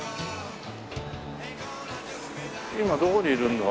今どこにいるんだ？